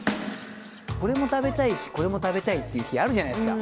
これも食べたいし、これも食べたいっていう日、あるじゃないですか。